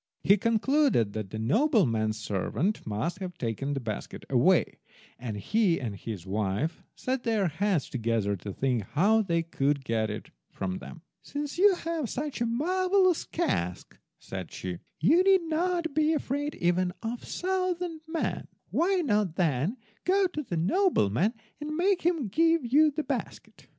He concluded that the nobleman's servants must have taken the basket away, and he and his wife set their heads together to think how they could get it from them. "Since you have such a marvellous cask," said she, "you need not be afraid even of a thousand men. Why not then go to the nobleman and make him give you the basket."